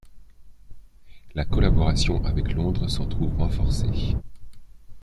La collaboration avec Londres s'en trouve renforcée.